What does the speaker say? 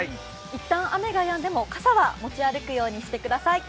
一旦雨がやんでも傘は持ち歩くようにしてください。